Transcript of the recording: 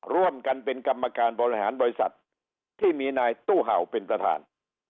ร่วมกันเป็นกรรมการบริหารบริษัทที่มีนายตู้เห่าเป็นประธาน